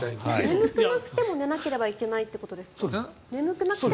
眠くなくても寝なければいけないということですか。